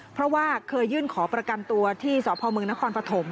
เพราะว่าเคยยื่นขอประกันตัวที่สพมนครปฐม